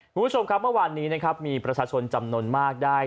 คุณผู้ชมครับเมื่อวานนี้นะครับมีประชาชนจำนวนมากได้